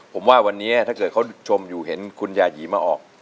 ผมว่าวันนี้ถ้าเกิดเขาชมอยู่เห็นคุณยายีมาออก